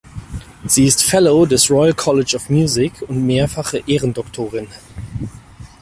Sie ist Fellow des Royal College of Music und mehrfache Ehrendoktorin.